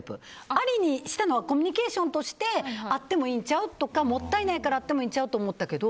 ありにしたのはコミュニケーションとしてあってもええんちゃう？とかもったいないからええんちゃう？って思ったけど